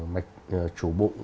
mạch chủ bụng